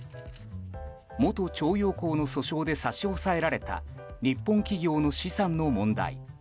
元徴用工の訴訟で差し押さえられた日本企業の資産の問題。